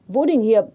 hai vũ đình hiệp